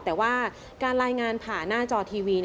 แต่ว่าการรายงานผ่านหน้าจอทีวี